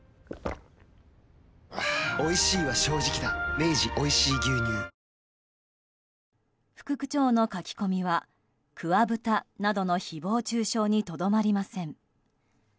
明治おいしい牛乳副区長の書き込みは桑ブタなどの誹謗中傷にとどまりません。